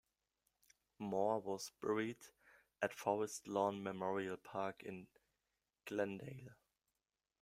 Moore was buried at Forest Lawn Memorial Park in Glendale.